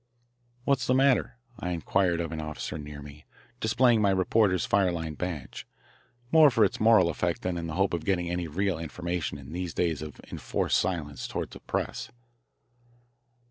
"What's the matter?" I inquired of an officer near me, displaying my reporter's fire line badge, more for its moral effect than in the hope of getting any real information in these days of enforced silence toward the press.